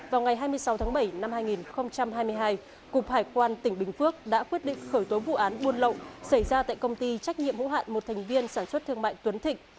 vào ngày hai mươi sáu tháng bảy năm hai nghìn hai mươi hai cục hải quan tỉnh bình phước đã quyết định khởi tố vụ án buôn lậu xảy ra tại công ty trách nhiệm hữu hạn một thành viên sản xuất thương mại tuấn thịnh